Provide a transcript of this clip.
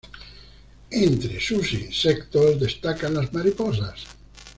Entre sus insectos destacan las mariposas.